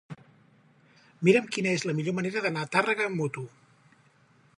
Mira'm quina és la millor manera d'anar a Tàrrega amb moto.